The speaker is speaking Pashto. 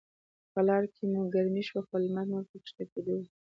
په لاره کې مو ګرمي شوه، خو لمر نور په کښته کیدو و.